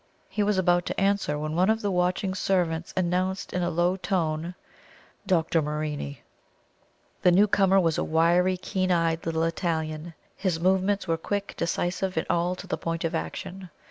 He was about to answer, when one of the watching servants announced in a low tone: "Dr. Morini." The new comer was a wiry, keen eyed little Italian; his movements were quick, decisive, and all to the point of action.